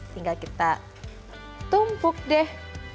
tinggal kita tumpuk deh